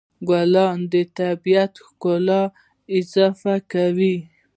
ګلان د طبیعت ښکلا اضافه کوي.